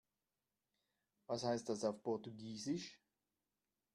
Was heißt das auf Portugiesisch?